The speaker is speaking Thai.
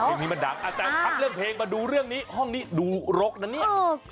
เพลงนี้มันดังแต่พักเรื่องเพลงมาดูเรื่องนี้ห้องนี้ดูรกนะเนี่ย